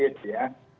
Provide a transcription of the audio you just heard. itu kan sudah rigid ya